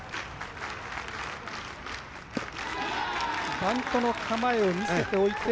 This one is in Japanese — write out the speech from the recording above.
バントの構えを見せておいて。